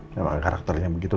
ya karakternya begitu